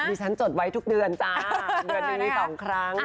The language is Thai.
มีฉันจดไว้ทุกเดือนจ้าเดือนนี้มี๒ครั้ง